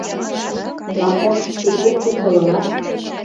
Лампонгский куп гыч толынат?